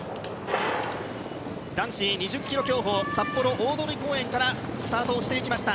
男子２０ｋｍ競歩札幌大通公園からスタートしていきました。